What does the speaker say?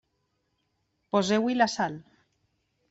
Poseu-hi la sal.